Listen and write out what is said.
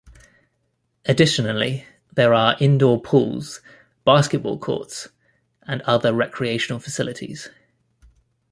Additionally, there are indoor pools, basketball courts, and other recreational facilities.